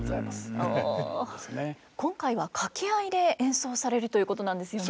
今回は掛合で演奏されるということなんですよね。